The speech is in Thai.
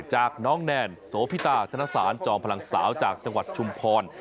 จากน้องแนนโสพิตาธนสารจอมพลังสาวจากจังหวัดชุมพร